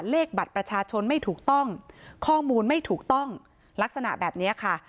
เลขบัตรประชาชนไม่ถูกต้องข้อมูลไม่ถูกต้องลักษณะแบบนี้ค่ะ